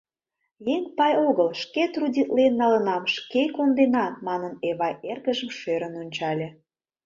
— Еҥ пай огыл, шке трудитлен налынам, шке конденам, — манын, Эвай эргыжым шӧрын ончале.